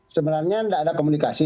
sebenarnya tidak ada komunikasi